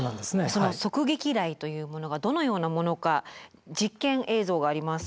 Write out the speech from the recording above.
その側撃雷というものがどのようなものか実験映像があります。